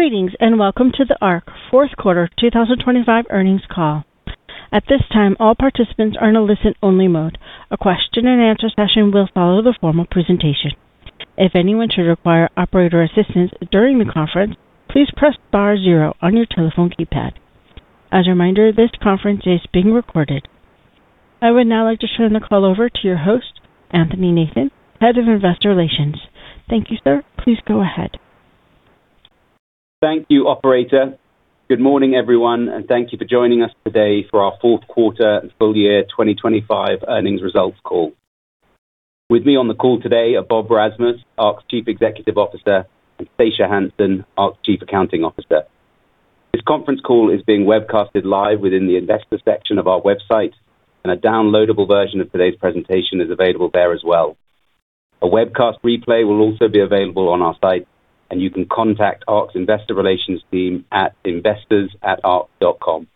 Greetings, and welcome to the Arq Q4 2025 earnings call. At this time, all participants are in a listen-only mode. A question and answer session will follow the formal presentation. If anyone should require operator assistance during the conference, please press star zero on your telephone keypad. As a reminder, this conference is being recorded. I would now like to turn the call over to your host, Anthony Nathan, Head of Investor Relations. Thank you, sir. Please go ahead. Thank you, operator. Good morning, everyone, and thank you for joining us today for our Q4 and full year 2025 earnings results call. With me on the call today are Bob Rasmus, Arq's Chief Executive Officer, and Stacia Hansen, Arq's Chief Accounting Officer. This conference call is being webcasted live within the investor section of our website, and a downloadable version of today's presentation is available there as well. A webcast replay will also be available on our site, and you can contact Arq's Investor Relations team at investors@arq.com.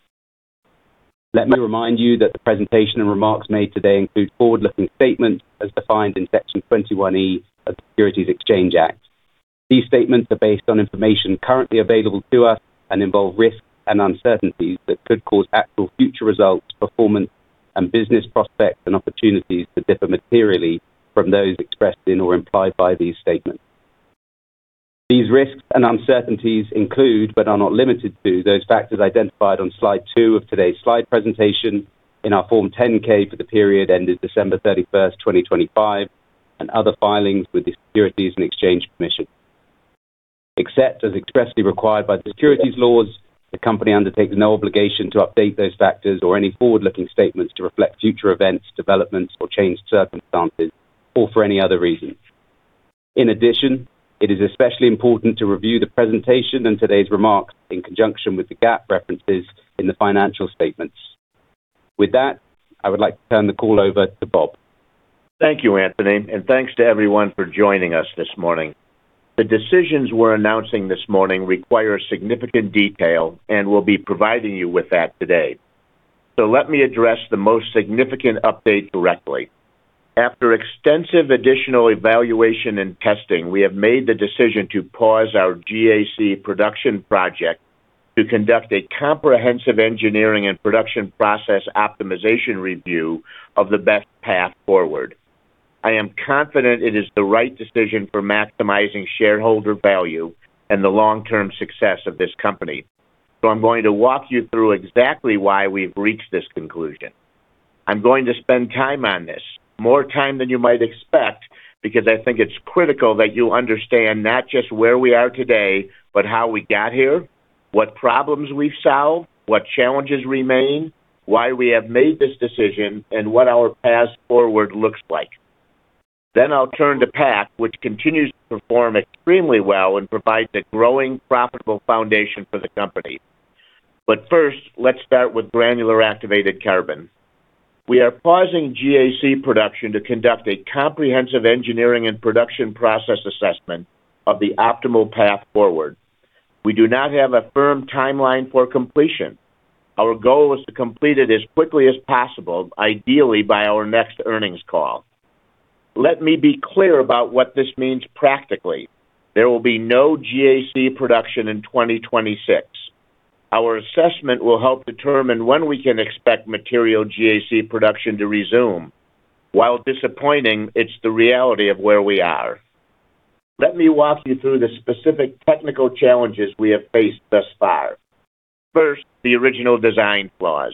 Let me remind you that the presentation and remarks made today include forward-looking statements as defined in Section 21E of the Securities Exchange Act. These statements are based on information currently available to us and involve risks and uncertainties that could cause actual future results, performance and business prospects and opportunities to differ materially from those expressed in or implied by these statements. These risks and uncertainties include, but are not limited to, those factors identified on slide two of today's slide presentation in our Form 10-K for the period ended 31 December 2025, and other filings with the Securities and Exchange Commission. Except as expressly required by the securities laws, the company undertakes no obligation to update those factors or any forward-looking statements to reflect future events, developments or changed circumstances or for any other reason. In addition, it is especially important to review the presentation and today's remarks in conjunction with the GAAP references in the financial statements. With that, I would like to turn the call over to Bob. Thank you, Anthony, and thanks to everyone for joining us this morning. The decisions we're announcing this morning require significant detail, and we'll be providing you with that today. Let me address the most significant update directly. After extensive additional evaluation and testing, we have made the decision to pause our GAC production project to conduct a comprehensive engineering and production process optimization review of the best path forward. I am confident it is the right decision for maximizing shareholder value and the long-term success of this company. I'm going to walk you through exactly why we've reached this conclusion. I'm going to spend time on this, more time than you might expect, because I think it's critical that you understand not just where we are today, but how we got here, what problems we've solved, what challenges remain, why we have made this decision, and what our path forward looks like. I'll turn to PAC, which continues to perform extremely well and provides a growing profitable foundation for the company. First, let's start with Granular Activated Carbon. We are pausing GAC production to conduct a comprehensive engineering and production process assessment of the optimal path forward. We do not have a firm timeline for completion. Our goal is to complete it as quickly as possible, ideally by our next earnings call. Let me be clear about what this means practically. There will be no GAC production in 2026. Our assessment will help determine when we can expect material GAC production to resume. While disappointing, it's the reality of where we are. Let me walk you through the specific technical challenges we have faced thus far. First, the original design flaws.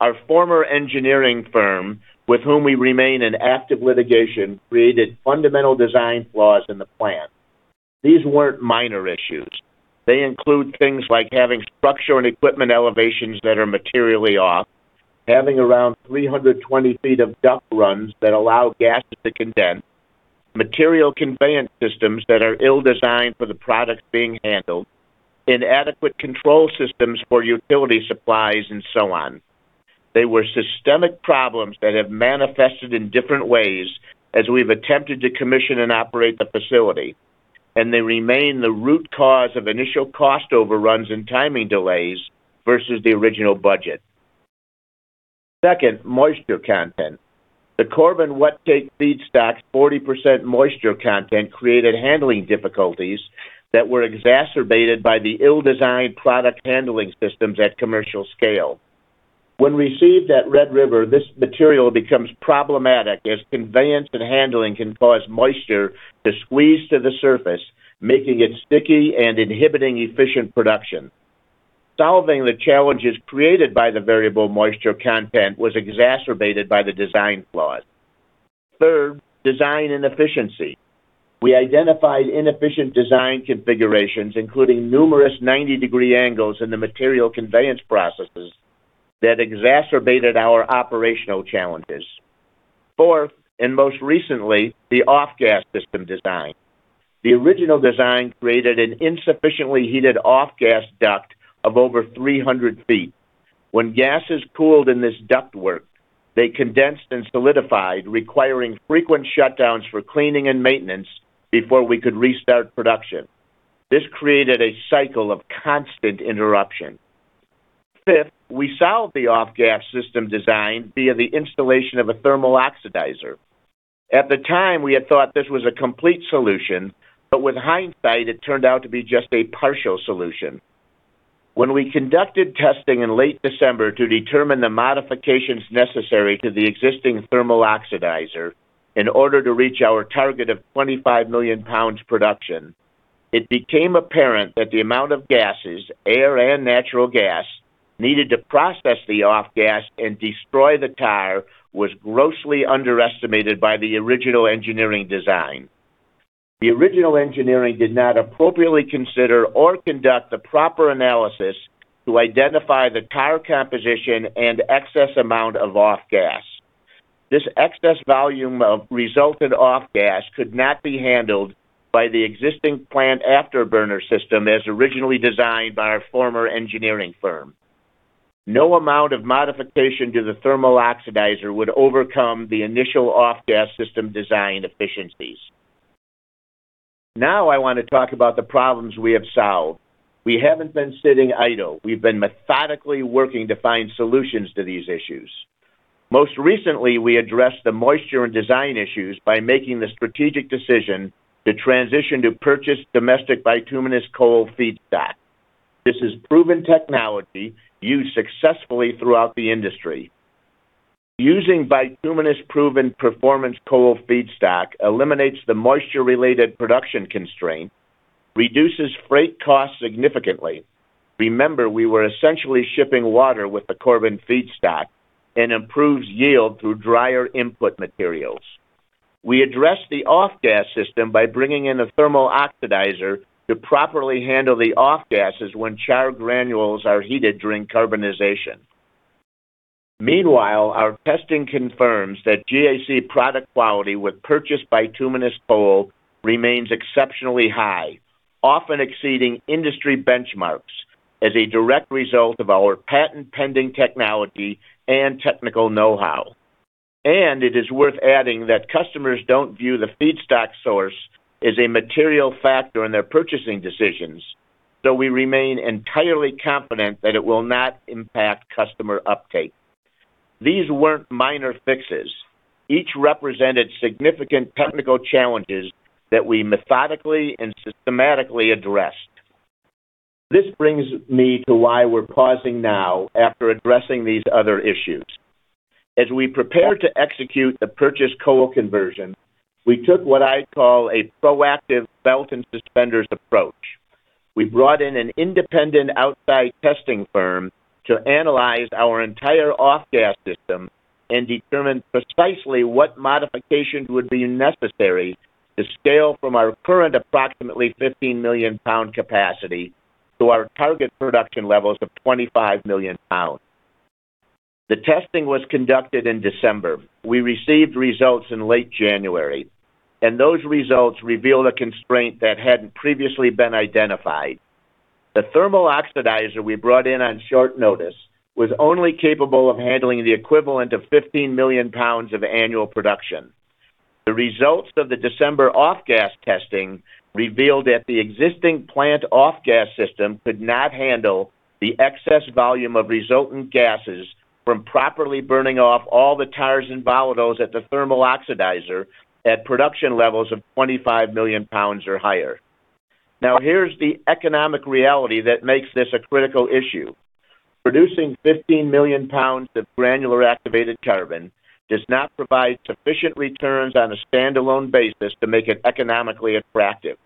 Our former engineering firm, with whom we remain in active litigation, created fundamental design flaws in the plant. These weren't minor issues. They include things like having structure and equipment elevations that are materially off, having around 320 ft of duct runs that allow gases to condense, material conveyance systems that are ill-designed for the products being handled, inadequate control systems for utility supplies, and so on. They were systemic problems that have manifested in different ways as we've attempted to commission and operate the facility, and they remain the root cause of initial cost overruns and timing delays versus the original budget. Second, moisture content. The Corbin wet cake feedstock's 40% moisture content created handling difficulties that were exacerbated by the ill-designed product handling systems at commercial scale. When received at Red River, this material becomes problematic as conveyance and handling can cause moisture to squeeze to the surface, making it sticky and inhibiting efficient production. Solving the challenges created by the variable moisture content was exacerbated by the design flaws. Third, design inefficiency. We identified inefficient design configurations, including numerous 90-degree angles in the material conveyance processes that exacerbated our operational challenges. Fourth, and most recently, the off-gas system design. The original design created an insufficiently heated off-gas duct of over 300 ft. When gases cooled in this ductwork, they condensed and solidified, requiring frequent shutdowns for cleaning and maintenance before we could restart production. This created a cycle of constant interruption. Fifth, we solved the off-gas system design via the installation of a thermal oxidizer. At the time, we had thought this was a complete solution, but with hindsight, it turned out to be just a partial solution. When we conducted testing in late December to determine the modifications necessary to the existing thermal oxidizer in order to reach our target of 25 million pounds production, it became apparent that the amount of gases, air and natural gas, needed to process the off-gas and destroy the tire was grossly underestimated by the original engineering design. The original engineering did not appropriately consider or conduct the proper analysis to identify the tire composition and excess amount of off-gas. This excess volume of resultant off-gas could not be handled by the existing plant afterburner system as originally designed by our former engineering firm. No amount of modification to the thermal oxidizer would overcome the initial off-gas system design efficiencies. Now I want to talk about the problems we have solved. We haven't been sitting idle. We've been methodically working to find solutions to these issues. Most recently, we addressed the moisture and design issues by making the strategic decision to transition to purchase domestic bituminous coal feedstock. This is proven technology used successfully throughout the industry. Using bituminous proven performance coal feedstock eliminates the moisture-related production constraint, reduces freight costs significantly. Remember, we were essentially shipping water with the carbon feedstock and improves yield through drier input materials. We addressed the off-gas system by bringing in a thermal oxidizer to properly handle the off-gases when char granules are heated during carbonization. Meanwhile, our testing confirms that GAC product quality with purchased bituminous coal remains exceptionally high, often exceeding industry benchmarks as a direct result of our patent-pending technology and technical know-how. It is worth adding that customers don't view the feedstock source as a material factor in their purchasing decisions, so we remain entirely confident that it will not impact customer uptake. These weren't minor fixes. Each represented significant technical challenges that we methodically and systematically addressed. This brings me to why we're pausing now after addressing these other issues. As we prepare to execute the purchased coal conversion, we took what I'd call a proactive belt-and-suspenders approach. We brought in an independent outside testing firm to analyze our entire off-gas system and determine precisely what modifications would be necessary to scale from our current approximately 15 million pound capacity to our target production levels of 25 million pounds. The testing was conducted in December. We received results in late January, and those results revealed a constraint that hadn't previously been identified. The thermal oxidizer we brought in on short notice was only capable of handling the equivalent of 15 million pounds of annual production. The results of the December off-gas testing revealed that the existing plant off-gas system could not handle the excess volume of resultant gases from properly burning off all the tires and volatiles at the thermal oxidizer at production levels of 25 million pounds or higher. Now, here's the economic reality that makes this a critical issue. Producing 15 million pounds of granular activated carbon does not provide sufficient returns on a standalone basis to make it economically attractive.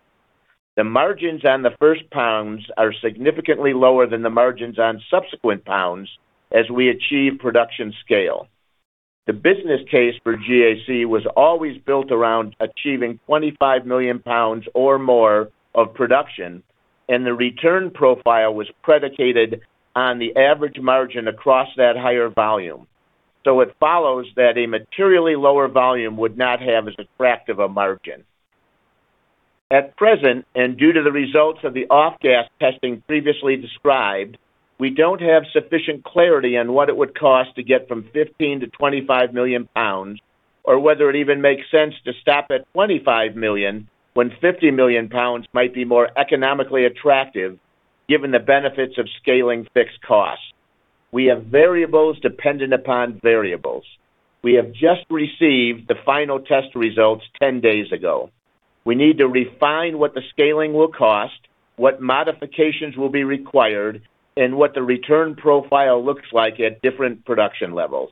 The margins on the first pounds are significantly lower than the margins on subsequent pounds as we achieve production scale. The business case for GAC was always built around achieving 25 million pounds or more of production, and the return profile was predicated on the average margin across that higher volume. It follows that a materially lower volume would not have as attractive a margin. At present, and due to the results of the off-gas testing previously described, we don't have sufficient clarity on what it would cost to get from 15 to 25 million pounds or whether it even makes sense to stop at 25 million when 50 million pounds might be more economically attractive given the benefits of scaling fixed costs. We have variables dependent upon variables. We have just received the final test results ten days ago. We need to refine what the scaling will cost, what modifications will be required, and what the return profile looks like at different production levels.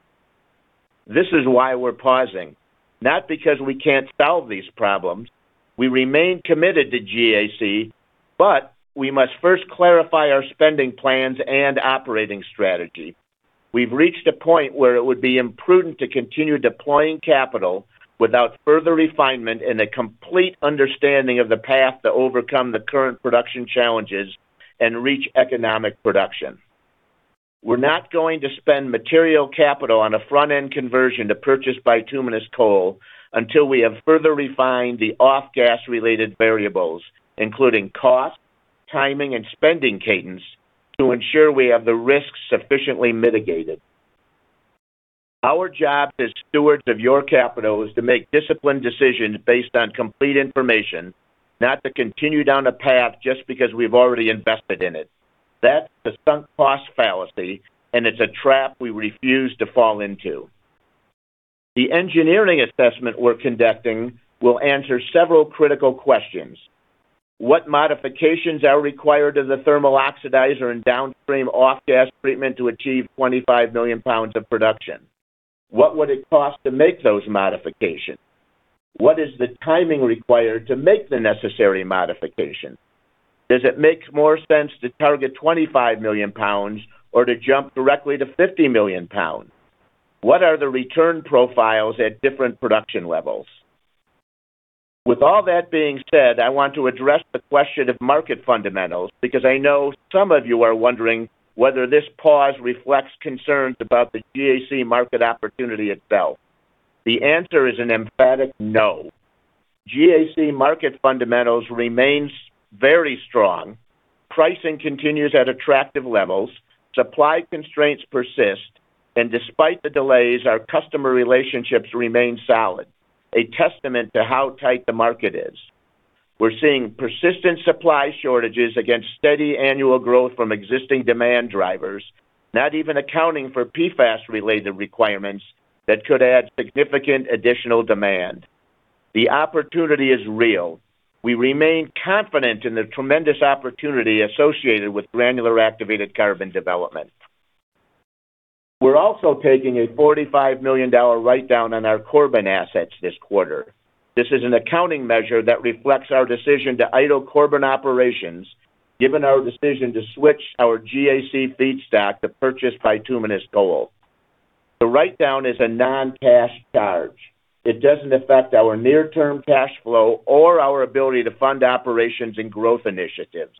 This is why we're pausing, not because we can't solve these problems. We remain committed to GAC, but we must first clarify our spending plans and operating strategy. We've reached a point where it would be imprudent to continue deploying capital without further refinement and a complete understanding of the path to overcome the current production challenges and reach economic production. We're not going to spend material capital on a front-end conversion to purchase bituminous coal until we have further refined the off-gas related variables, including cost, timing, and spending cadence to ensure we have the risks sufficiently mitigated. Our job as stewards of your capital is to make disciplined decisions based on complete information, not to continue down a path just because we've already invested in it. That's the sunk cost fallacy, and it's a trap we refuse to fall into. The engineering assessment we're conducting will answer several critical questions. What modifications are required to the thermal oxidizer and downstream off-gas treatment to achieve 25 million pounds of production? What would it cost to make those modifications? What is the timing required to make the necessary modifications? Does it make more sense to target 25 million pounds or to jump directly to 50 million pounds? What are the return profiles at different production levels? With all that being said, I want to address the question of market fundamentals, because I know some of you are wondering whether this pause reflects concerns about the GAC market opportunity itself. The answer is an emphatic no. GAC market fundamentals remains very strong. Pricing continues at attractive levels. Supply constraints persist. Despite the delays, our customer relationships remain solid, a testament to how tight the market is. We're seeing persistent supply shortages against steady annual growth from existing demand drivers, not even accounting for PFAS related requirements that could add significant additional demand. The opportunity is real. We remain confident in the tremendous opportunity associated with Granular Activated Carbon development. We're also taking a $45 million write-down on our Corbin assets this quarter. This is an accounting measure that reflects our decision to idle Corbin operations, given our decision to switch our GAC feedstock to purchase bituminous coal. The write-down is a non-cash charge. It doesn't affect our near-term cash flow or our ability to fund operations and growth initiatives.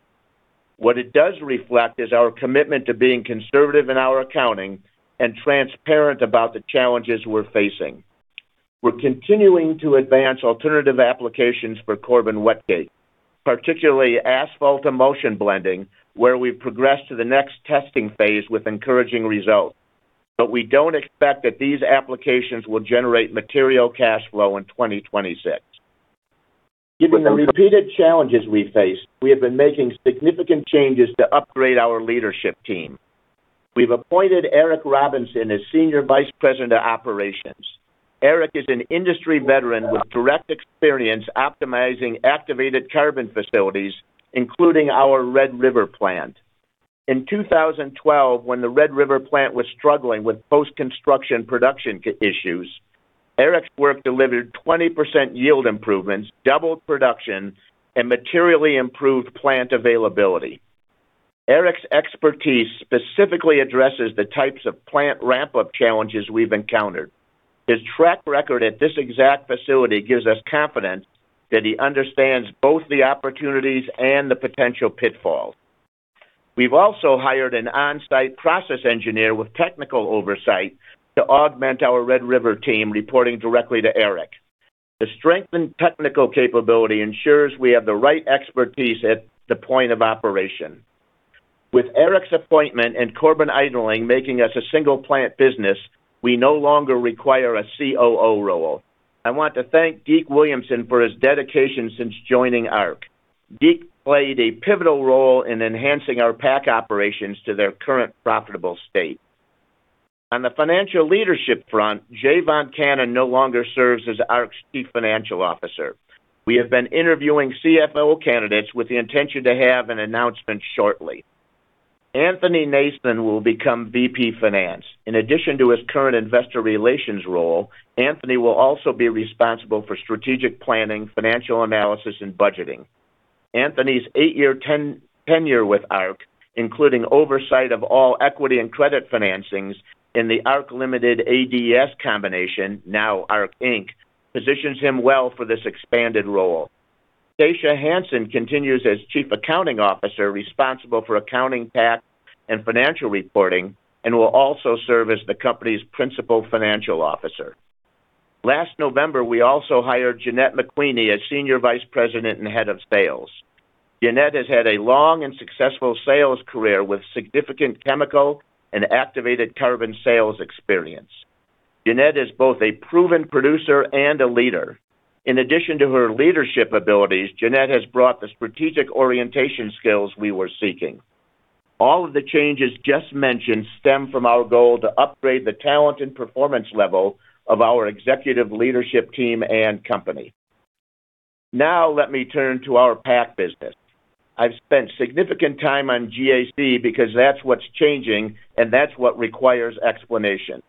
What it does reflect is our commitment to being conservative in our accounting and transparent about the challenges we're facing. We're continuing to advance alternative applications for Corbin wet cake, particularly asphalt emulsion blending, where we've progressed to the next testing phase with encouraging results. We don't expect that these applications will generate material cash flow in 2026. Given the repeated challenges we face, we have been making significant changes to upgrade our leadership team. We've appointed Eric Robinson as Senior Vice President of Operations. Eric is an industry veteran with direct experience optimizing activated carbon facilities, including our Red River plant. In 2012, when the Red River plant was struggling with post-construction production issues, Eric's work delivered 20% yield improvements, doubled production, and materially improved plant availability. Eric's expertise specifically addresses the types of plant ramp-up challenges we've encountered. His track record at this exact facility gives us confidence that he understands both the opportunities and the potential pitfalls. We've also hired an on-site process engineer with technical oversight to augment our Red River team, reporting directly to Eric. The strengthened technical capability ensures we have the right expertise at the point of operation. With Eric's appointment and Corbin idling making us a single plant business, we no longer require a COO role. I want to thank Deke Williamson for his dedication since joining Arq. Deke played a pivotal role in enhancing our PAC operations to their current profitable state. On the financial leadership front, Jay Voncannon no longer serves as Arq's Chief Financial Officer. We have been interviewing CFO candidates with the intention to have an announcement shortly. Anthony Nathan will become VP Finance. In addition to his current investor relations role, Anthony will also be responsible for strategic planning, financial analysis, and budgeting. Anthony's eight-year tenure with Arq, including oversight of all equity and credit financings in the Arq Limited ADS combination, now Arq Inc., positions him well for this expanded role. Stacia Hansen continues as Chief Accounting Officer responsible for accounting PAC and financial reporting, and will also serve as the company's Principal Financial Officer. Last November, we also hired Jeanette McQueeney as Senior Vice President and Head of Sales. Jeanette has had a long and successful sales career with significant chemical and activated carbon sales experience. Jeanette is both a proven producer and a leader. In addition to her leadership abilities, Jeanette has brought the strategic orientation skills we were seeking. All of the changes just mentioned stem from our goal to upgrade the talent and performance level of our executive leadership team and company. Now let me turn to our PAC business. I've spent significant time on GAC because that's what's changing and that's what requires explanation.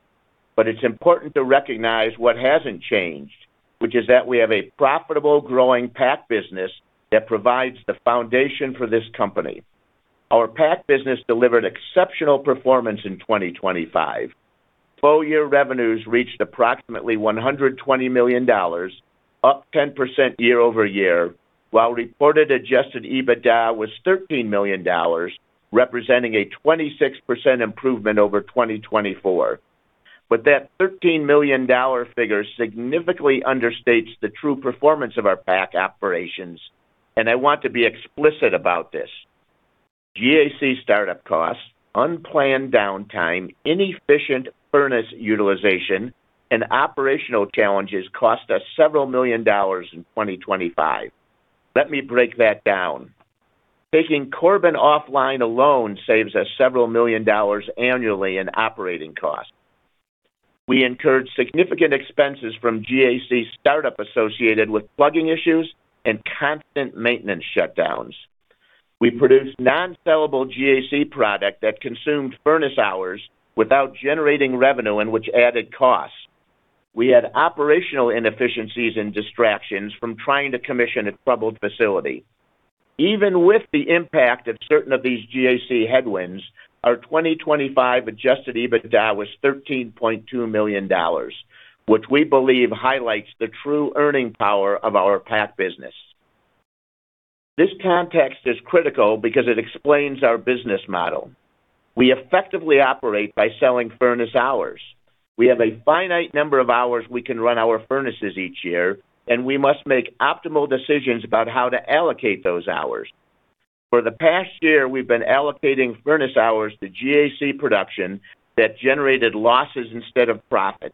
It's important to recognize what hasn't changed, which is that we have a profitable, growing PAC business that provides the foundation for this company. Our PAC business delivered exceptional performance in 2025. Full year revenues reached approximately $120 million, up 10% year-over-year, while reported adjusted EBITDA was $13 million, representing a 26% improvement over 2024. That $13 million figure significantly understates the true performance of our PAC operations, and I want to be explicit about this. GAC startup costs, unplanned downtime, inefficient furnace utilization, and operational challenges cost us several million dollars in 2025. Let me break that down. Taking Corbin offline alone saves us several million dollars annually in operating costs. We incurred significant expenses from GAC startup associated with plugging issues and constant maintenance shutdowns. We produced non-sellable GAC product that consumed furnace hours without generating revenue, which added costs. We had operational inefficiencies and distractions from trying to commission a troubled facility. Even with the impact of certain of these GAC headwinds, our 2025 adjusted EBITDA was $13.2 million, which we believe highlights the true earning power of our PAC business. This context is critical because it explains our business model. We effectively operate by selling furnace hours. We have a finite number of hours we can run our furnaces each year, and we must make optimal decisions about how to allocate those hours. For the past year, we've been allocating furnace hours to GAC production that generated losses instead of profit.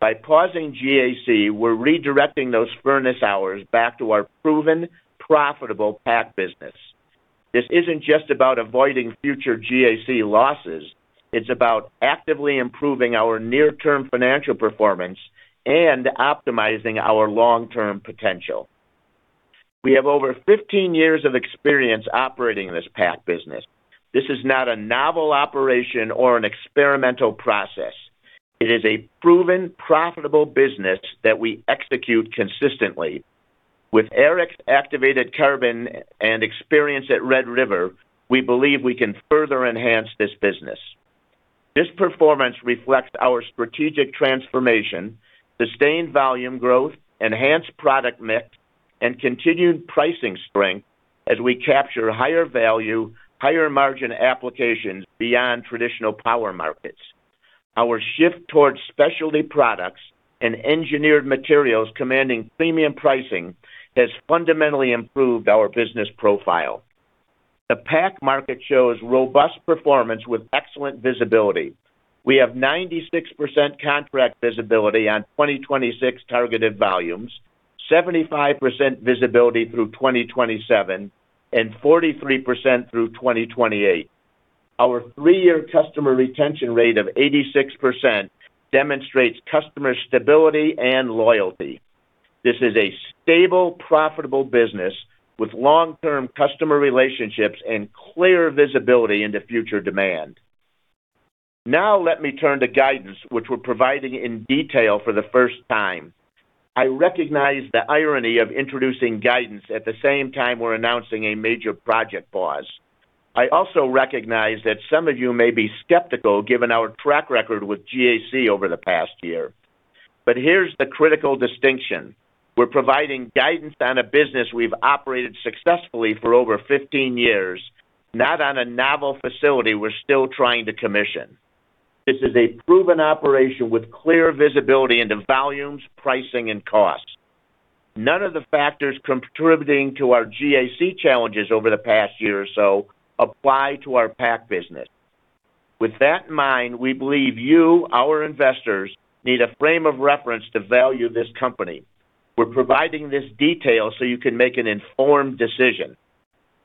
By pausing GAC, we're redirecting those furnace hours back to our proven, profitable PAC business. This isn't just about avoiding future GAC losses, it's about actively improving our near-term financial performance and optimizing our long-term potential. We have over 15 years of experience operating this PAC business. This is not a novel operation or an experimental process. It is a proven, profitable business that we execute consistently. With Eric's activated carbon and experience at Red River, we believe we can further enhance this business. This performance reflects our strategic transformation, sustained volume growth, enhanced product mix, and continued pricing strength as we capture higher value, higher margin applications beyond traditional power markets. Our shift towards specialty products and engineered materials commanding premium pricing has fundamentally improved our business profile. The PAC market shows robust performance with excellent visibility. We have 96% contract visibility on 2026 targeted volumes, 75% visibility through 2027, and 43% through 2028. Our three-year customer retention rate of 86% demonstrates customer stability and loyalty. This is a stable, profitable business with long-term customer relationships and clear visibility into future demand. Now let me turn to guidance, which we're providing in detail for the first time. I recognize the irony of introducing guidance at the same time we're announcing a major project pause. I also recognize that some of you may be skeptical given our track record with GAC over the past year. Here's the critical distinction. We're providing guidance on a business we've operated successfully for over 15 years, not on a novel facility we're still trying to commission. This is a proven operation with clear visibility into volumes, pricing, and costs. None of the factors contributing to our GAC challenges over the past year or so apply to our PAC business. With that in mind, we believe you, our investors, need a frame of reference to value this company. We're providing this detail so you can make an informed decision.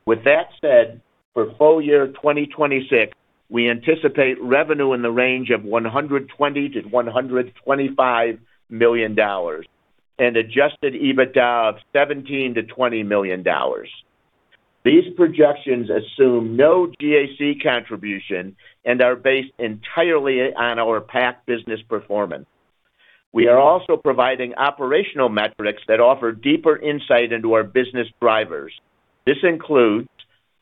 With that said, for full year 2026, we anticipate revenue in the range of $120 to 125 million and adjusted EBITDA of $17 to 20 million. These projections assume no GAC contribution and are based entirely on our PAC business performance. We are also providing operational metrics that offer deeper insight into our business drivers. This includes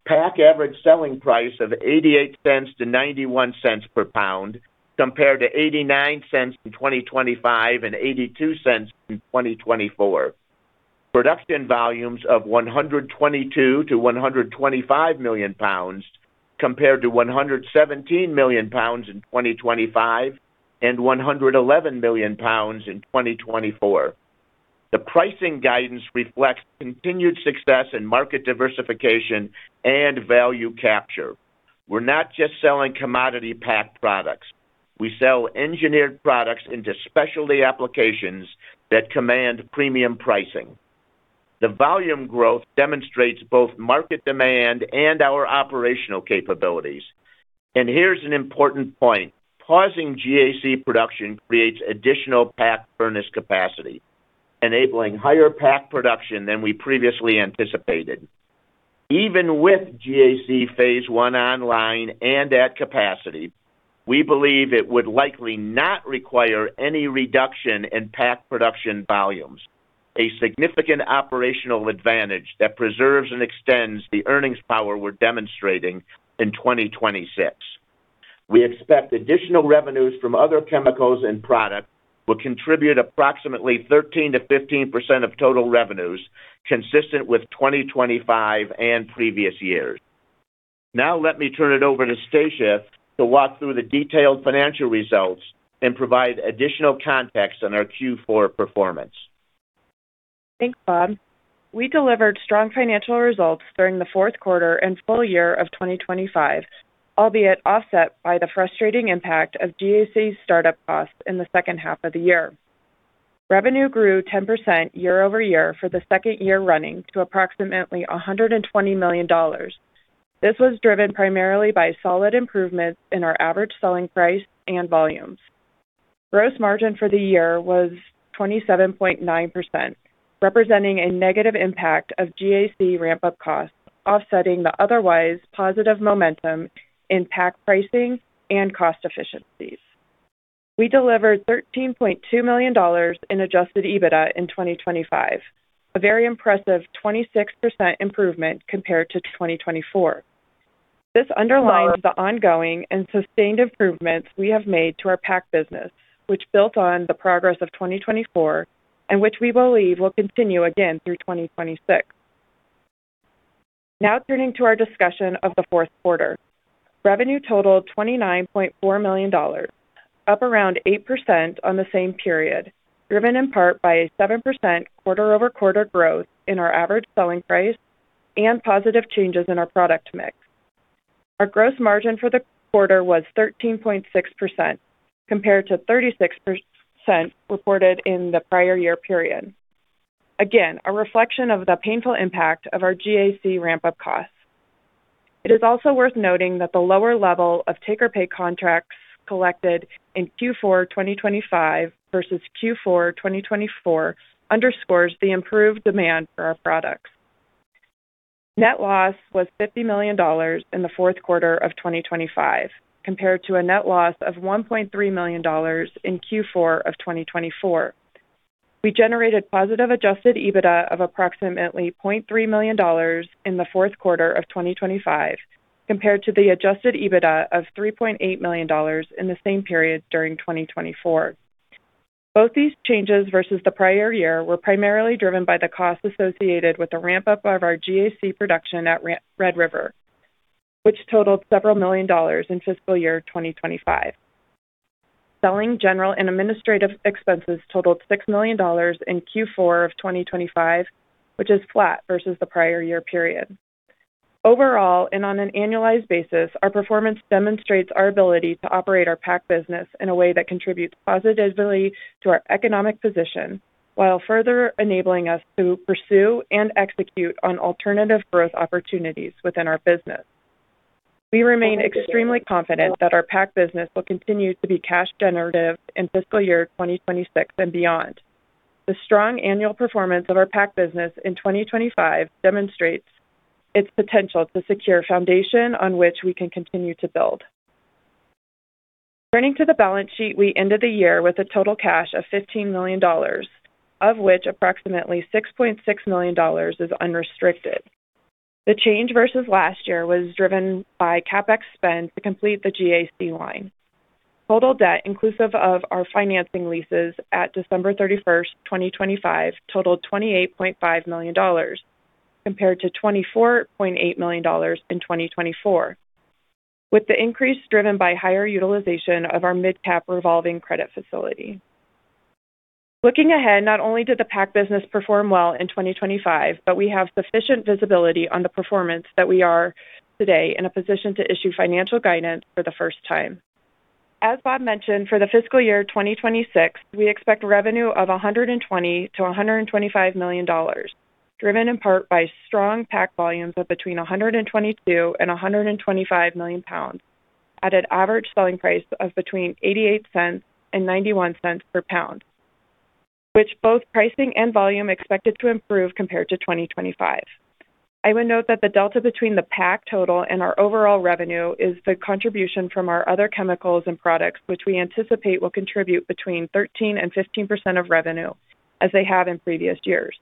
PAC average selling price of $0.88 to 0.91 per pound compared to $0.89 in 2025 and $0.82 in 2024. Production volumes of $122 to 125 million pounds compared to $117 million pounds in 2025 and $111 million pounds in 2024. The pricing guidance reflects continued success in market diversification and value capture. We're not just selling commodity PAC products. We sell engineered products into specialty applications that command premium pricing. The volume growth demonstrates both market demand and our operational capabilities. Here's an important point. Pausing GAC production creates additional PAC furnace capacity, enabling higher PAC production than we previously anticipated. Even with GAC phase one online and at capacity, we believe it would likely not require any reduction in PAC production volumes, a significant operational advantage that preserves and extends the earnings power we're demonstrating in 2026. We expect additional revenues from other chemicals and products will contribute approximately 13% to 15% of total revenues consistent with 2025 and previous years. Now let me turn it over to Stacia to walk through the detailed financial results and provide additional context on our Q4 performance. Thanks, Bob. We delivered strong financial results during the Q4 and full year of 2025, albeit offset by the frustrating impact of GAC's startup costs in the second half of the year. Revenue grew 10% year-over-year for the second year running to approximately $120 million. This was driven primarily by solid improvements in our average selling price and volumes. Gross margin for the year was 27.9%, representing a negative impact of GAC ramp up costs, offsetting the otherwise positive momentum in pack pricing and cost efficiencies. We delivered $13.2 million in adjusted EBITDA in 2025, a very impressive 26% improvement compared to 2024. This underlines the ongoing and sustained improvements we have made to our PAC business, which built on the progress of 2024 and which we believe will continue again through 2026. Now turning to our discussion of the Q4. Revenue totaled $29.4 million, up around 8% on the same period, driven in part by a 7% quarter-over-quarter growth in our average selling price and positive changes in our product mix. Our gross margin for the quarter was 13.6% compared to 36% reported in the prior year period. Again, a reflection of the painful impact of our GAC ramp up costs. It is also worth noting that the lower level of take-or-pay contracts collected in Q4 2025 versus Q4 2024 underscores the improved demand for our products. Net loss was $50 million in the Q4 of 2025, compared to a net loss of $1.3 million in Q4 of 2024. We generated positive adjusted EBITDA of approximately $0.3 million in the Q4 of 2025, compared to the adjusted EBITDA of $3.8 million in the same period during 2024. Both these changes versus the prior year were primarily driven by the costs associated with the ramp up of our GAC production at Red River, which totaled several million dollars in fiscal year 2025. Selling, general, and administrative expenses totaled $6 million in Q4 of 2025, which is flat versus the prior year period. Overall, on an annualized basis, our performance demonstrates our ability to operate our PAC business in a way that contributes positively to our economic position, while further enabling us to pursue and execute on alternative growth opportunities within our business. We remain extremely confident that our PAC business will continue to be cash generative in fiscal year 2026 and beyond. The strong annual performance of our PAC business in 2025 demonstrates its potential to secure foundation on which we can continue to build. Turning to the balance sheet, we ended the year with total cash of $15 million, of which approximately $6.6 million is unrestricted. The change versus last year was driven by CapEx spend to complete the GAC line. Total debt inclusive of our financing leases at 31 December 2025 totaled $28.5 million compared to $24.8 million in 2024, with the increase driven by higher utilization of our MidCap revolving credit facility. Looking ahead, not only did the PAC business perform well in 2025, but we have sufficient visibility on the performance that we are today in a position to issue financial guidance for the first time. As Bob mentioned, for the fiscal year 2026, we expect revenue of $120 to 125 million, driven in part by strong PAC volumes of between $122 million and $125 million pounds at an average selling price of between $0.88 and $0.91 per pound, which both pricing and volume expected to improve compared to 2025. I would note that the delta between the PAC total and our overall revenue is the contribution from our other chemicals and products, which we anticipate will contribute between 13% to 15% of revenue as they have in previous years.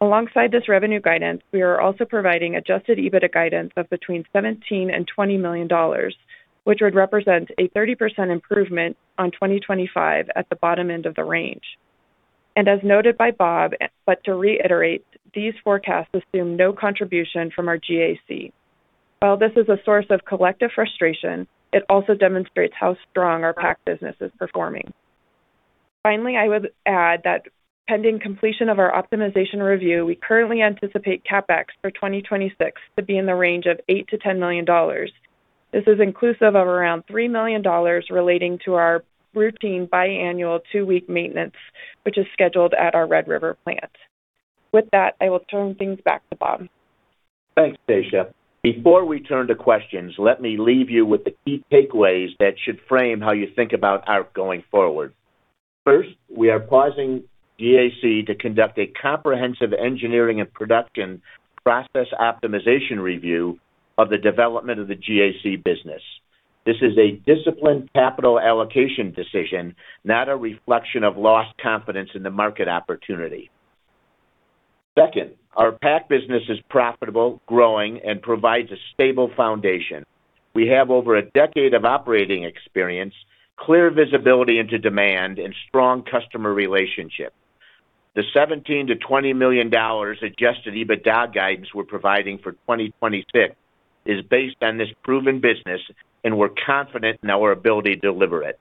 Alongside this revenue guidance, we are also providing adjusted EBITDA guidance of between $17 to 20 million, which would represent a 30% improvement on 2025 at the bottom end of the range. As noted by Bob, but to reiterate, these forecasts assume no contribution from our GAC. While this is a source of collective frustration, it also demonstrates how strong our PAC business is performing. Finally, I would add that pending completion of our optimization review, we currently anticipate CapEx for 2026 to be in the range of $8 to 10 million. This is inclusive of around $3 million relating to our routine biannual two-week maintenance, which is scheduled at our Red River plant. With that, I will turn things back to Bob. Thanks, Stacia. Before we turn to questions, let me leave you with the key takeaways that should frame how you think about Arq going forward. First, we are pausing GAC to conduct a comprehensive engineering and production process optimization review of the development of the GAC business. This is a disciplined capital allocation decision, not a reflection of lost confidence in the market opportunity. Second, our PAC business is profitable, growing, and provides a stable foundation. We have over a decade of operating experience, clear visibility into demand and strong customer relationship. The $17 to 20 million adjusted EBITDA guidance we're providing for 2026 is based on this proven business, and we're confident in our ability to deliver it.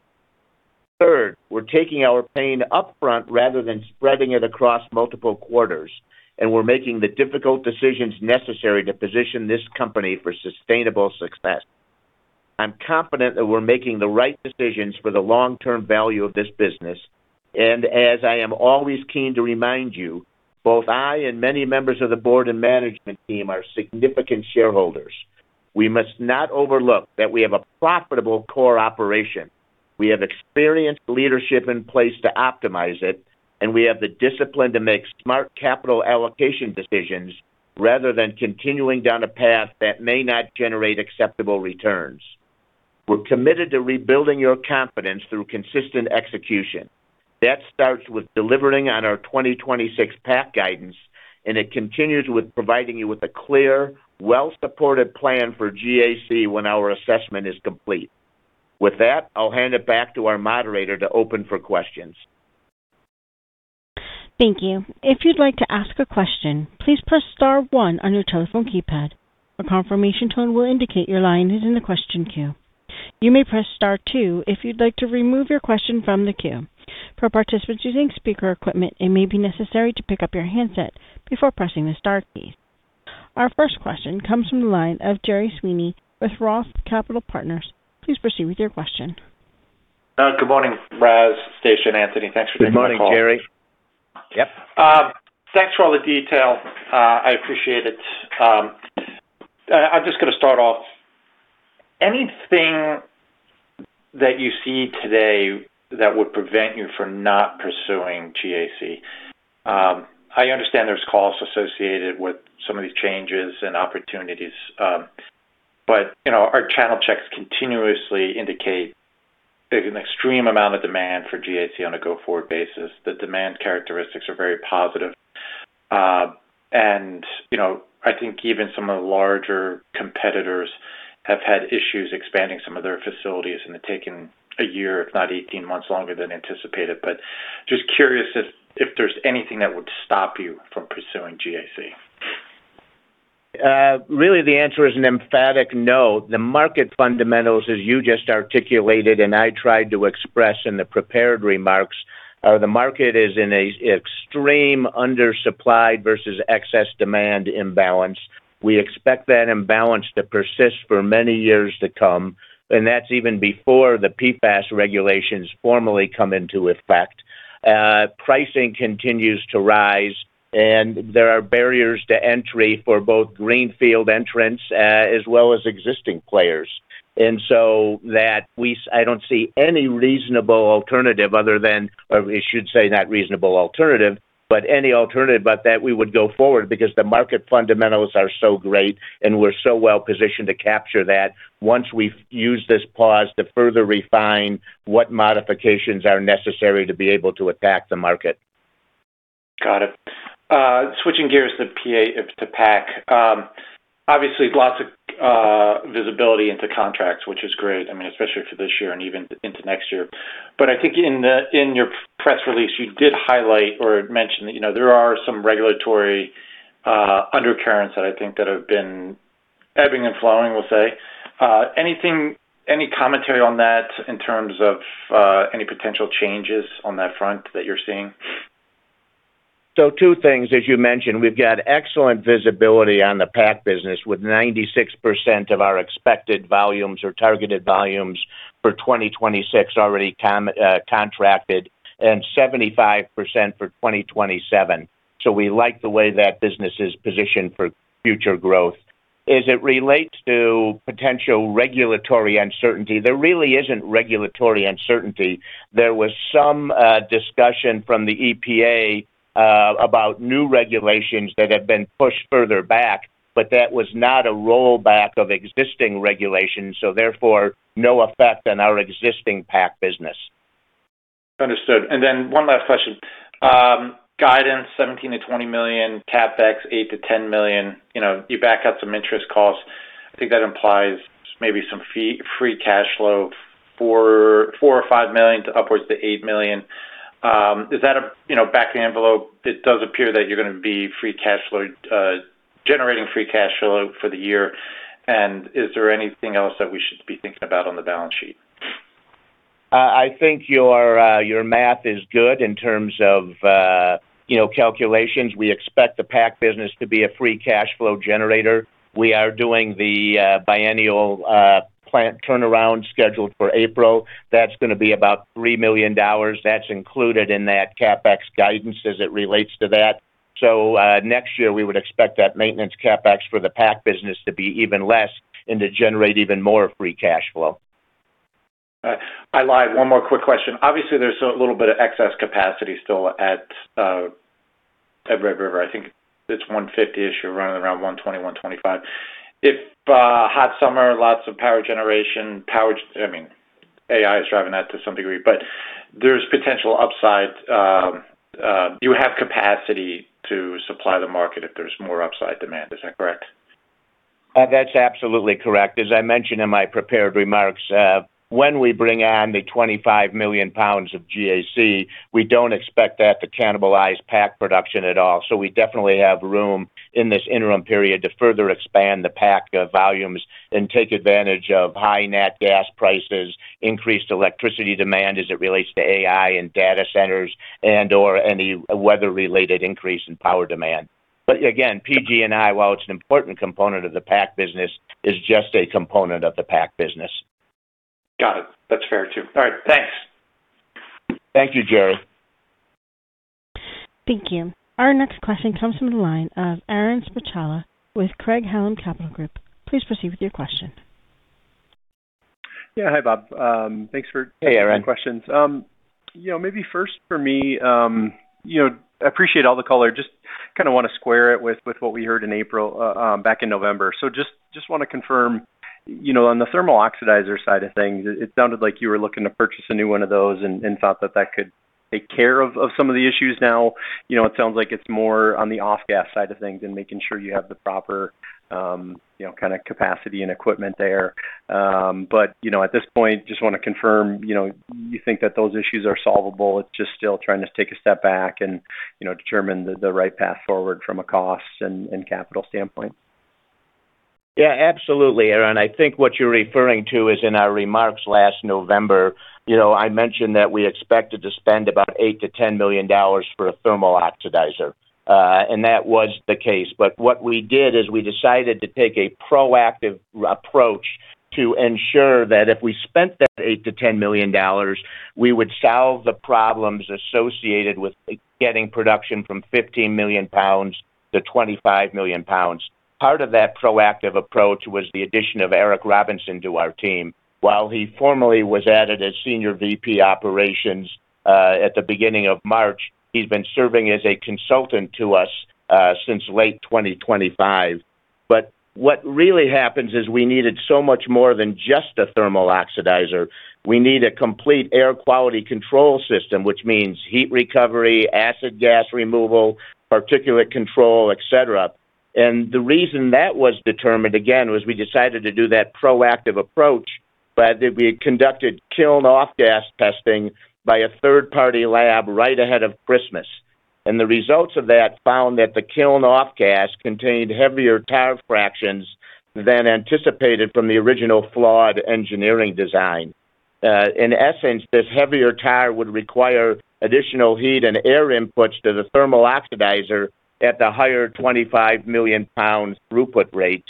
Third, we're taking our pain upfront rather than spreading it across multiple quarters, and we're making the difficult decisions necessary to position this company for sustainable success. I'm confident that we're making the right decisions for the long-term value of this business. As I am always keen to remind you, both I and many members of the board and management team are significant shareholders. We must not overlook that we have a profitable core operation. We have experienced leadership in place to optimize it, and we have the discipline to make smart capital allocation decisions rather than continuing down a path that may not generate acceptable returns. We're committed to rebuilding your confidence through consistent execution. That starts with delivering on our 2026 PAC guidance, and it continues with providing you with a clear, well-supported plan for GAC when our assessment is complete. With that, I'll hand it back to our moderator to open for questions. Thank you. If you'd like to ask a question, please press star one on your telephone keypad. A confirmation tone will indicate your line is in the question queue. You may press star two if you'd like to remove your question from the queue. For participants using speaker equipment, it may be necessary to pick up your handset before pressing the star key. Our first question comes from the line of Gerard Sweeney with Roth Capital Partners. Please proceed with your question. Good morning, Ras, Stacia, and Anthony. Thanks for taking the call. Good morning, Gerry. Yep. Thanks for all the detail. I appreciate it. I'm just gonna start off. Anything that you see today that would prevent you from not pursuing GAC? I understand there's costs associated with some of these changes and opportunities, but, you know, our channel checks continuously indicate there's an extreme amount of demand for GAC on a go-forward basis the demand characteristics are very positive. You know, I think even some of the larger competitors have had issues expanding some of their facilities, and they've taken a year, if not 18 months longer than anticipated. Just curious if there's anything that would stop you from pursuing GAC. Really, the answer is an emphatic no. The market fundamentals, as you just articulated, and I tried to express in the prepared remarks, the market is in an extreme undersupplied versus excess demand imbalance. We expect that imbalance to persist for many years to come, and that's even before the PFAS regulations formally come into effect. Pricing continues to rise, and there are barriers to entry for both greenfield entrants, as well as existing players. I don't see any reasonable alternative other than or i should say, not reasonable alternative, but any alternative but that we would go forward because the market fundamentals are so great, and we're so well positioned to capture that once we've used this pause to further refine what modifications are necessary to be able to attack the market. Got it. Switching gears to PAC. Obviously lots of visibility into contracts, which is great. I mean, especially for this year and even into next year. I think in your press release, you did highlight or mention that, you know, there are some regulatory undercurrents that I think have been ebbing and flowing, we'll say. Any commentary on that in terms of any potential changes on that front that you're seeing? Two things as you mentioned, we've got excellent visibility on the PAC business, with 96% of our expected volumes or targeted volumes for 2026 already contracted and 75% for 2027. We like the way that business is positioned for future growth. As it relates to potential regulatory uncertainty, there really isn't regulatory uncertainty. There was some discussion from the EPA about new regulations that have been pushed further back, but that was not a rollback of existing regulations, so therefore, no effect on our existing PAC business. Understood. One last question. Guidance, $17 to 20 million. CapEx, $8 to 10 million. You know, you back out some interest costs. I think that implies maybe some free cash flow for $4 million or $5 million to upwards to $8 million. Is that a, you know, back of the envelope? It does appear that you're gonna be generating free cash flow for the year. Is there anything else that we should be thinking about on the balance sheet? I think your math is good in terms of, you know, calculations we expect the PAC business to be a free cash flow generator. We are doing the biennial plant turnaround scheduled for April. That's gonna be about $3 million that's included in that CapEx guidance as it relates to that. Next year, we would expect that maintenance CapEx for the PAC business to be even less and to generate even more free cash flow. All right. I lied. One more quick question. Obviously, there's a little bit of excess capacity still at Red River. I think it's 150-ish you're running around 120, 125. If hot summer, lots of power generation, I mean, AI is driving that to some degree, but there's potential upside. Do you have capacity to supply the market if there's more upside demand? Is that correct? That's absolutely correct. As I mentioned in my prepared remarks, when we bring on the $25 million pounds of GAC, we don't expect that to cannibalize PAC production at all we definitely have room in this interim period to further expand the PAC volumes and take advantage of high nat gas prices, increased electricity demand as it relates to AI and data centers and/or any weather-related increase in power demand. Again, PGI, while it's an important component of the PAC business, is just a component of the PAC business. Got it. That's fair too. All right. Thanks. Thank you, Gerry. Thank you. Our next question comes from the line of Aaron Spychalla with Craig-Hallum Capital Group. Please proceed with your question. Yeah. Hi, Bob. Thanks for- Hey, Aaron. Taking the questions. You know, maybe first for me, you know, appreciate all the color, just kinda wanna square it with what we heard in April back in November just wanna confirm, you know, on the thermal oxidizer side of things, it sounded like you were looking to purchase a new one of those and thought that could take care of some of the issues now- -you know, it sounds like it's more on the off-gas side of things and making sure you have the proper, you know, kinda capacity and equipment there. You know, at this point, just wanna confirm, you know, you think that those issues are solvable it's just still trying to take a step back and, you know, determine the right path forward from a cost and capital standpoint. Yeah, absolutely, Aaron. I think what you're referring to is in our remarks last November. You know, I mentioned that we expected to spend about $8 to 10 million for a thermal oxidizer, and that was the case. What we did is we decided to take a proactive approach to ensure that if we spent that $8 to 10 million, we would solve the problems associated with getting production from $15 million pounds to $25 million pounds. Part of that proactive approach was the addition of Eric Robinson to our team. While he formally was added as Senior VP Operations at the beginning of March, he's been serving as a consultant to us since late 2025. What really happens is we needed so much more than just a thermal oxidizer. We need a complete air quality control system, which means heat recovery, acid gas removal, particulate control, et cetera. The reason that was determined, again, was we decided to do that proactive approach, but we had conducted kiln off-gas testing by a third-party lab right ahead of Christmas. The results of that found that the kiln off-gas contained heavier tar fractions than anticipated from the original flawed engineering design. In essence, this heavier tar would require additional heat and air inputs to the thermal oxidizer at the higher $25 million pound throughput rates.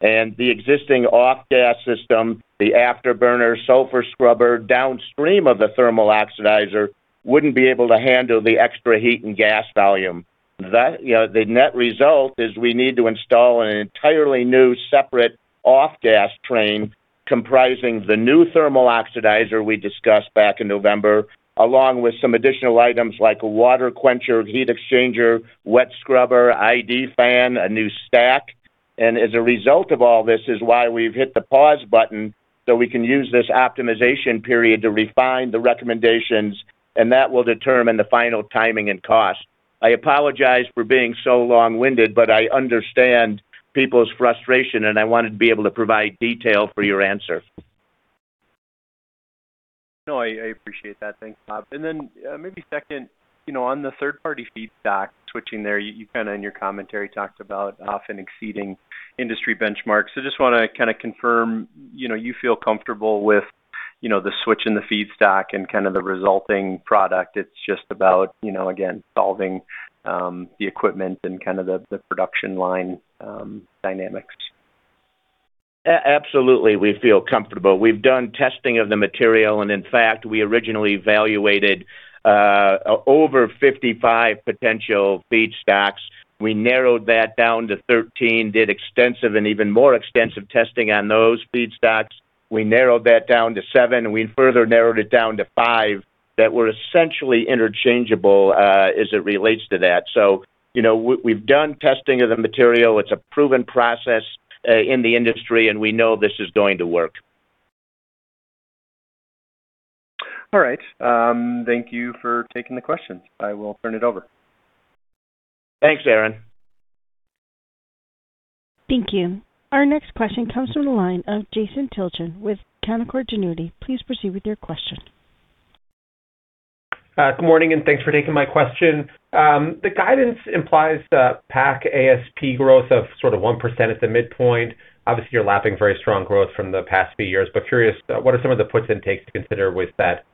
The existing off-gas system, the afterburner sulfur scrubber downstream of the thermal oxidizer, wouldn't be able to handle the extra heat and gas volume. You know, the net result is we need to install an entirely new separate off-gas train comprising the new thermal oxidizer we discussed back in November, along with some additional items like a water quencher, heat exchanger, wet scrubber, ID fan, a new stack. As a result of all this is why we've hit the pause button, so we can use this optimization period to refine the recommendations, and that will determine the final timing and cost. I apologize for being so long-winded, but I understand people's frustration, and I wanted to be able to provide detail for your answer. No, I appreciate that thanks, Bob. Maybe second, you know, on the third party feedstock switching there, you kinda in your commentary talked about often exceeding industry benchmarks. Just wanna kinda confirm, you know, you feel comfortable with, you know, the switch in the feedstock and kind of the resulting product. It's just about, you know, again, solving the equipment and kinda the production line dynamics. Absolutely, we feel comfortable. We've done testing of the material, and in fact, we originally evaluated over 55 potential feedstocks. We narrowed that down to 13, did extensive and even more extensive testing on those feedstocks. We narrowed that down to seven, and we further narrowed it down to five that were essentially interchangeable as it relates to that. You know, we've done testing of the material. It's a proven process in the industry, and we know this is going to work. All right. Thank you for taking the questions. I will turn it over. Thanks, Aaron. Thank you. Our next question comes from the line of Jason Tilchen with Canaccord Genuity. Please proceed with your question. Good morning, and thanks for taking my question. The guidance implies the PAC ASP growth of sort of 1% at the midpoint. Obviously, you're lapping very strong growth from the past few years, but curious, what are some of the puts and takes to consider with that,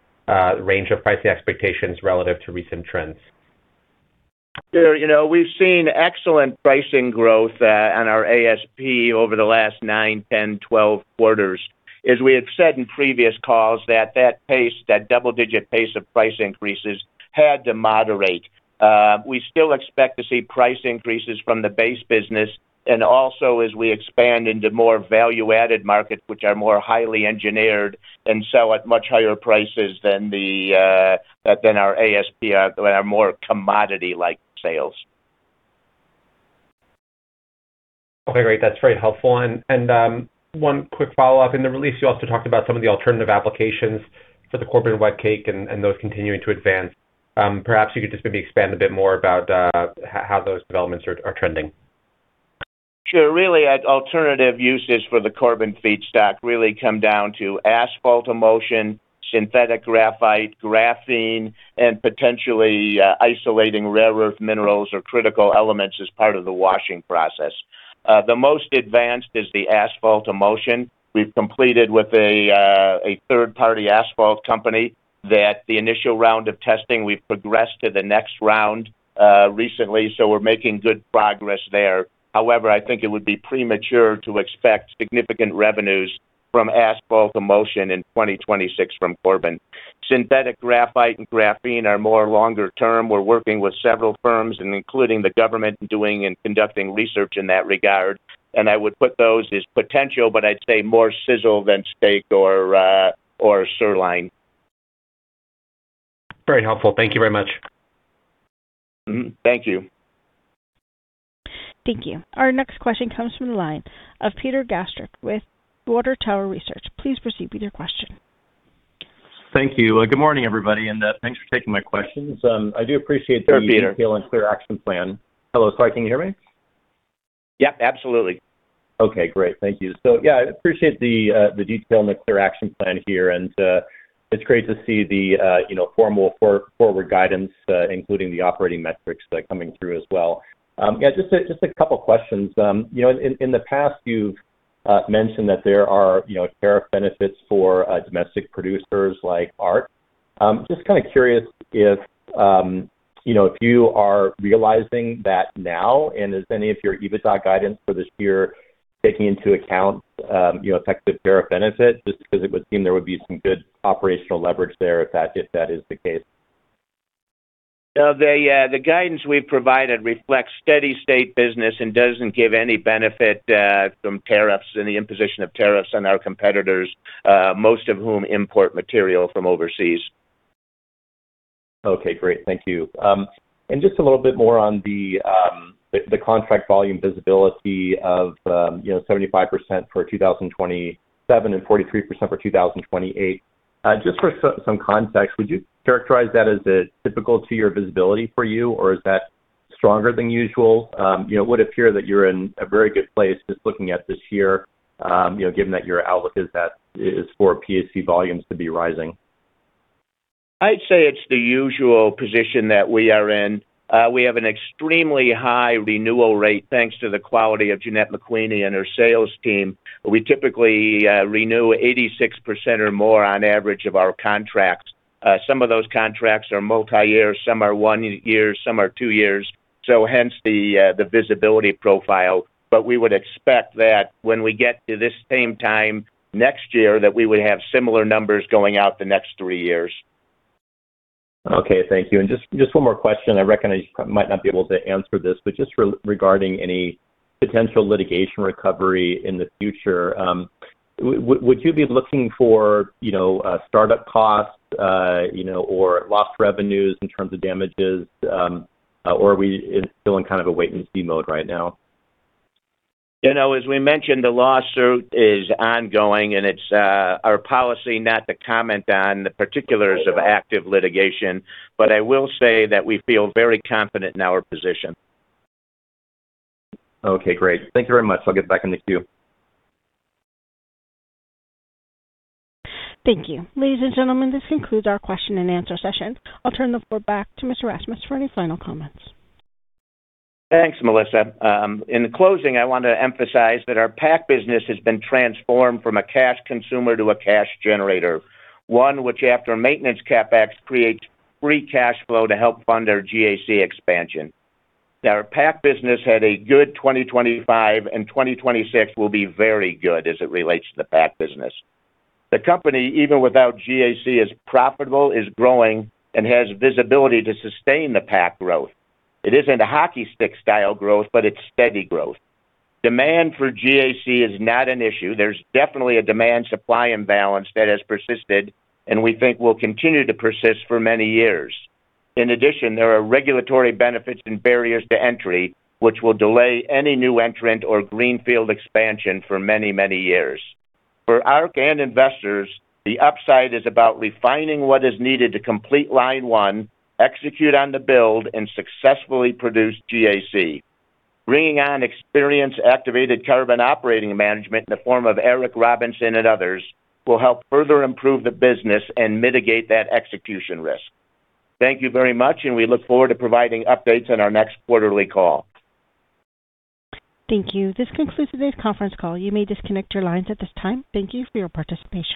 range of pricing expectations relative to recent trends? You know, we've seen excellent pricing growth on our ASP over the last nine, 10, 12 quarters. As we have said in previous calls that pace, that double-digit pace of price increases had to moderate. We still expect to see price increases from the base business and also as we expand into more value-added markets, which are more highly engineered and sell at much higher prices than our ASP, our more commodity-like sales. Okay, great. That's very helpful. One quick follow-up. In the release, you also talked about some of the alternative applications for the Corbin wet cake and those continuing to advance. Perhaps you could just maybe expand a bit more about how those developments are trending. Sure really, alternative uses for the carbon feedstock really come down to asphalt emulsion, synthetic graphite, graphene, and potentially, isolating rare earth minerals or critical elements as part of the washing process. The most advanced is the asphalt emulsion. We've completed with a third-party asphalt company the initial round of testing, we've progressed to the next round recently, so we're making good progress there. However, I think it would be premature to expect significant revenues from asphalt emulsion in 2026 from Corbin. Synthetic graphite and graphene are more longer term we're working with several firms, including the government, doing and conducting research in that regard, and I would put those as potential, but I'd say more sizzle than steak or sirloin. Very helpful. Thank you very much. Thank you. Thank you. Our next question comes from the line of Peter Gastreich with Water Tower Research. Please proceed with your question. Thank you. Good morning, everybody, and thanks for taking my questions. I do appreciate the- Sure, Peter. Detail and clear action plan. Hello. Sorry, can you hear me? Yep, absolutely. Okay, great. Thank you. Yeah, I appreciate the detail and the clear action plan here, and it's great to see the, you know, formal forward guidance, including the operating metrics that are coming through as well. Yeah, just a couple of questions. You know, in the past, you've mentioned that there are, you know, tariff benefits for domestic producers like Arq. Just kinda curious if you know, if you are realizing that now, and is any of your EBITDA guidance for this year taking into account, you know, effective tariff benefits just because it would seem there would be some good operational leverage there if that is the case. The guidance we've provided reflects steady state business and doesn't give any benefit from tariffs and the imposition of tariffs on our competitors, most of whom import material from overseas. Okay, great. Thank you. Just a little bit more on the contract volume visibility of, you know, 75% for 2027 and 43% for 2028. Just for some context, would you characterize that as typical to your visibility for you, or is that stronger than usual? You know, it would appear that you're in a very good place just looking at this year, you know, given that your outlook is for PAC volumes to be rising. I'd say it's the usual position that we are in. We have an extremely high renewal rate, thanks to the quality of Jeanette McQueeney and her sales team. We typically renew 86% or more on average of our contracts. Some of those contracts are multi-year, some are one year, some are two years. Hence the visibility profile. We would expect that when we get to this same time next year, that we would have similar numbers going out the next three years. Okay, thank you. Just one more question i recognize you might not be able to answer this, but just regarding any potential litigation recovery in the future, would you be looking for, you know, startup costs, you know, or lost revenues in terms of damages, or are we still in kind of a wait-and-see mode right now? You know, as we mentioned, the lawsuit is ongoing, and it's our policy not to comment on the particulars of active litigation. I will say that we feel very confident in our position. Okay, great. Thank you very much. I'll get back in the queue. Thank you. Ladies and gentlemen, this concludes our question and answer session. I'll turn the floor back to Mr. Rasmus for any final comments. Thanks, Melissa. In closing, I want to emphasize that our PAC business has been transformed from a cash consumer to a cash generator. One which after maintenance CapEx, creates free cash flow to help fund our GAC expansion. Our PAC business had a good 2025, and 2026 will be very good as it relates to the PAC business. The company, even without GAC, is profitable, is growing, and has visibility to sustain the PAC growth. It isn't a hockey stick style growth, but it's steady growth. Demand for GAC is not an issue there's definitely a demand supply imbalance that has persisted and we think will continue to persist for many years. In addition, there are regulatory benefits and barriers to entry which will delay any new entrant or greenfield expansion for many, many years. For Arq and investors, the upside is about refining what is needed to complete line one, execute on the build, and successfully produce GAC. Bringing on experienced activated carbon operating management in the form of Eric Robinson and others will help further improve the business and mitigate that execution risk. Thank you very much, and we look forward to providing updates on our next quarterly call. Thank you. This concludes today's conference call. You may disconnect your lines at this time. Thank you for your participation.